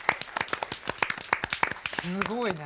すごいね。